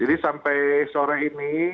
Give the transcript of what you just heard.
jadi sampai sore ini